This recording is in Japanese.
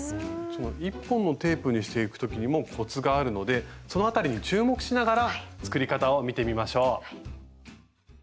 その１本のテープにしていく時にもコツがあるのでその辺りに注目しながら作り方を見てみましょう。